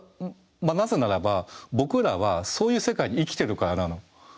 なぜならば僕らはそういう世界に生きてるからなの。